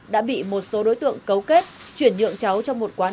đã bị một số đối tượng cấu kết chuyển nhượng cháu trong một quán